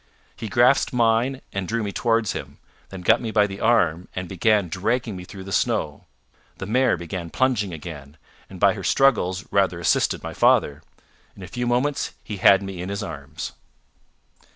He grasped mine and drew me towards him, then got me by the arm and began dragging me through the snow. The mare began plunging again, and by her struggles rather assisted my father. In a few moments he had me in his arms.